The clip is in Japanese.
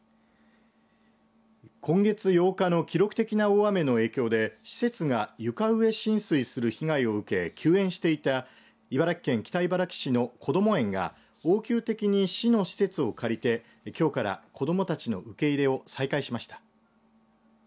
今月８日の記録的な大雨の影響で施設が床上浸水する被害を受け休園していた茨城県北茨城市のこども園が応急的に市の施設を借りてきょうから子どもたちの受け入れを再開しました。